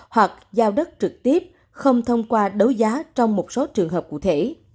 hoặc giao đất trực tiếp không thông qua đấu giá trong một số trường hợp cụ thể